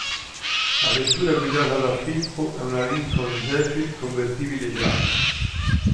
La vettura guidata da Pippo è una Lincoln-Zephyr convertibile gialla.